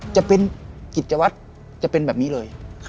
จะเป็นกิจวัตรจะเป็นแบบนี้เลย